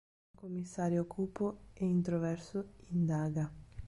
Un commissario cupo e introverso indaga.